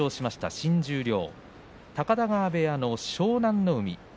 新十両、高田川部屋の湘南乃